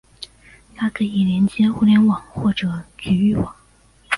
它可以连接互联网或者局域网。